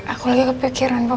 aku lagi kepikiran papa aku